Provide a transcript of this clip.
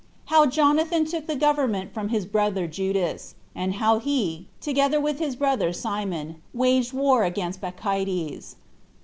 How Jonathan Took The Government After His Brother Judas; And How He, Together With His Brother Simon, Waged War Against Bacchides.